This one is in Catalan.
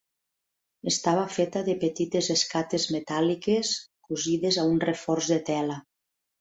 Estava feta de petites escates metàl·liques cosides a un reforç de tela.